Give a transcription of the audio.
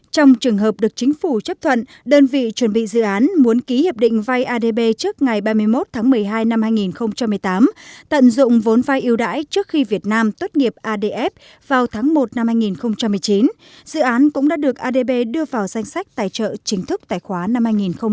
trong trường hợp được chính phủ chấp thuận đơn vị chuẩn bị dự án muốn ký hiệp định vay adb trước ngày ba mươi một tháng một mươi hai năm hai nghìn một mươi tám tận dụng vốn vai yêu đãi trước khi việt nam tốt nghiệp adf vào tháng một năm hai nghìn một mươi chín dự án cũng đã được adb đưa vào danh sách tài trợ chính thức tài khoá năm hai nghìn một mươi chín